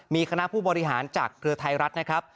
มีคณะผู้บริหารจากเครือไทยรัฐนะครับ